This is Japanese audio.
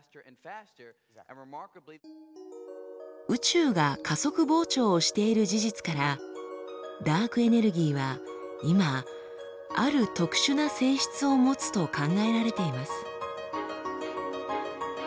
宇宙が加速膨張をしている事実からダークエネルギーは今ある特殊な性質を持つと考えられています。